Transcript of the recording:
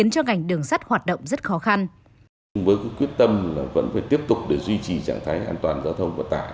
cứ quyết tâm là vẫn phải tiếp tục để duy trì trạng thái an toàn giao thông vận tải